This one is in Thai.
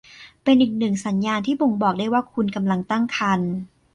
เป็นอีกหนึ่งสัญญาณที่บ่งบอกได้ว่าคุณกำลังตั้งครรภ์